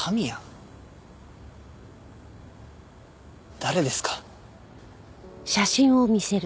誰ですか？